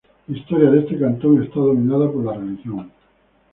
La historia de este cantón está dominada por la religión.